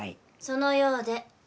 そのようで。